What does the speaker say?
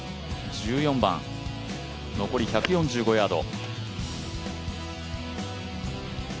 １４番、残り１４５ヤード。